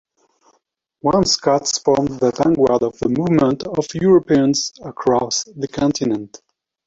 Once Scots formed the vanguard of the movement of Europeans across the continent.